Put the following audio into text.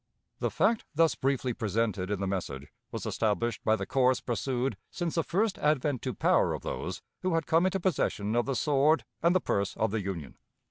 The fact thus briefly presented in the message was established by the course pursued since the first advent to power of those who had come into possession of the sword and the purse of the Union.